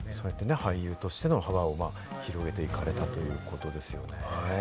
俳優としての幅を広げていかれたということですよね。